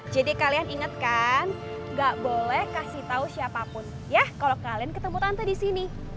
jadi kalian inget kan gak boleh kasih tau siapapun ya kalau kalian ketemu tante di sini